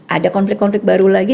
ada konflik konflik baru lagi